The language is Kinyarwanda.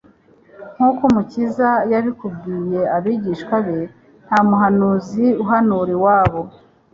Nk'uko Umukiza yabibwiye abigishwa be, nta muhanuzi uhanura iwabo.